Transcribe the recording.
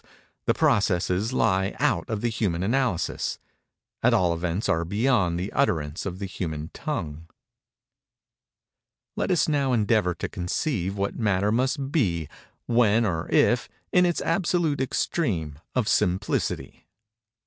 the processes lie out of the human analysis—at all events are beyond the utterance of the human tongue. Let us now endeavor to conceive what Matter must be, when, or if, in its absolute extreme of Simplicity.